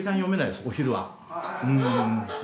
お昼は。